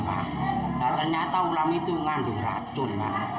nah ternyata ulam itu mengandung racun